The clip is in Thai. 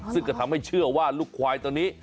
ซึ่งก็ทำให้เชื่อว่าลูกควายตัวนี้